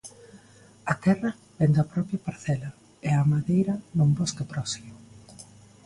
A terra vén da propia parcela e a madeira dun bosque próximo.